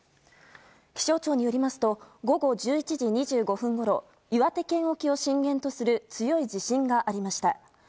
気象庁によりますと午後１１時２５分ごろ岩手県沖を震源とする強い地震がありました。